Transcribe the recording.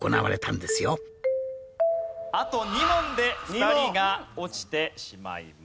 あと２問で２人が落ちてしまいます。